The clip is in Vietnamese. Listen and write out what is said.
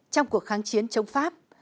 trong cuộc kháng chiến chống pháp